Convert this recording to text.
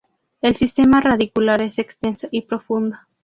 El sistema radicular es extenso y profundo.